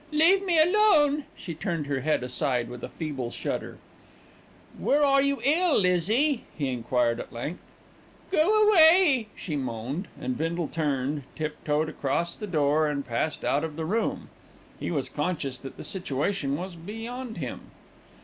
"Leave me alone." She turned her head aside with a feeble shudder. "Where are you ill, Lizzie?" he enquired at length. "Go away," she moaned, and Bindle turned, tip toed across to the door and passed out of the room. He was conscious that the situation was beyond him.